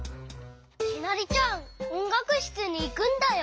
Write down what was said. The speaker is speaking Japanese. きなりちゃんおんがくしつにいくんだよ。